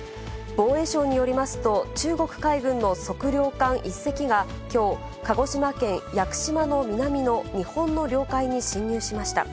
防衛省によりますと、中国海軍の測量艦１隻がきょう、鹿児島県屋久島の南の日本の領海に侵入しました。